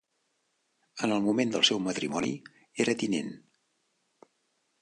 En el moment del seu matrimoni era tinent.